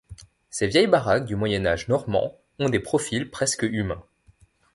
Ces vieilles baraques du moyen-âge normand ont des profils presque humains.